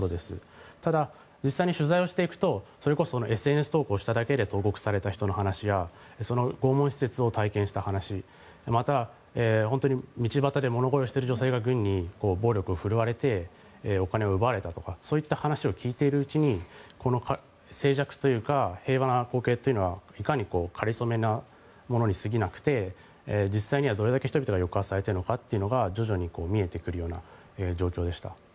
ただ、実際に取材していくとＳＮＳ投稿しただけで投獄された人の話や拷問施設を体験した話また、道端で物乞いしていたら暴力で振るわれてお金を奪われたとかそういう話を聞いているうちにこの静寂というか平和な光景がいかに、かりそめなものに過ぎなくて実際にはどれだけ人々が抑圧されているのかが徐々に見えてくるような状況でした。